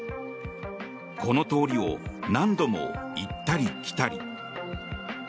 この通りを何度も行ったり来たり。